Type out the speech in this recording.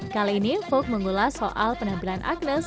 kali ini fok mengulas soal penampilan agnes